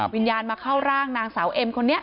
วิญญาณมาเข้าร่างนางสาวเอ็มคนนี้